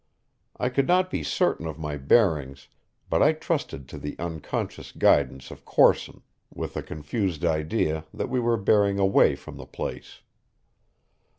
I could not be certain of my bearings, but I trusted to the unconscious guidance of Corson, with a confused idea that we were bearing away from the place.